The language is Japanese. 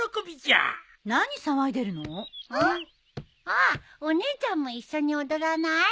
ああお姉ちゃんも一緒に踊らない？